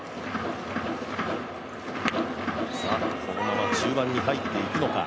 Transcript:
このまま中盤に入っていくのか。